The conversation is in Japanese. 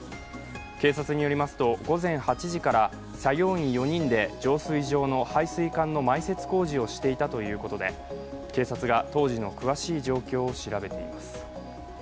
警察によりますと、午前８時から作業員４人で浄水場の配水管の埋設工事をしていたということで警察が当時の詳しい状況を調べています。